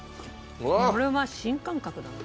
これは新感覚だな。